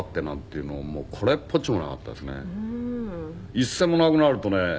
一銭もなくなるとね